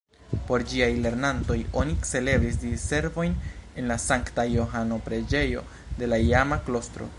Por ĝiaj lernantoj oni celebris Diservojn en la Sankta-Johano-preĝejo de la iama klostro.